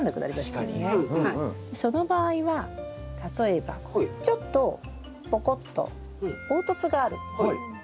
その場合は例えばちょっとポコッと凹凸があるシール